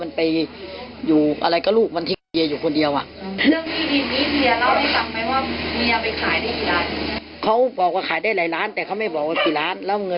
ต้องเลือกว่ากสิเฮียทำให้พี่ชายขายโทรมาหลายล้าน